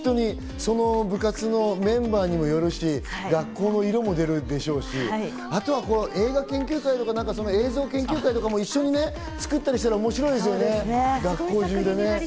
その部活のメンバーにもよるし、学校の色も出るでしょうし、あとは映画研究会とか映像研究会も一緒に作ったりしたら面白いですよね、学校中でね。